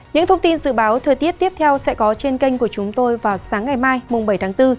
những thông tin dự báo thời tiết tiếp theo sẽ có trên kênh của chúng tôi vào sáng ngày mai bảy tháng bốn